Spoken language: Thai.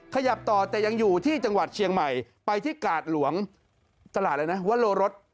ขยับต่อแต่ยังอยู่ที่จังหวัดเชียงใหม่ไปที่กาดหลวงตลาดอะไรนะวโลรส